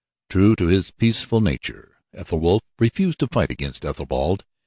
True to his peaceful nature Ethelwulf refused to fight against Ethelbald.